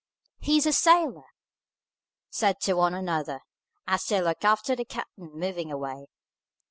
"He's a sailor!" said one to another, as they looked after the captain moving away.